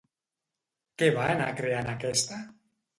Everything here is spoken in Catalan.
Què va anar creant aquesta?